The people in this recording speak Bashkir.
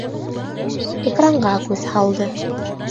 Экранға күҙ һалды.